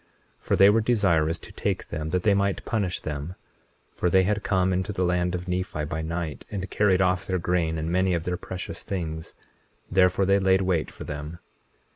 21:21 For they were desirous to take them that they might punish them; for they had come into the land of Nephi by night, and carried off their grain and many of their precious things; therefore they laid wait for them.